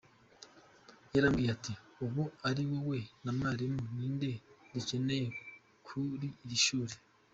Yarambwiye ati: ubu ari wowe na mwarimu ninde dukeneye kuri iri shuli?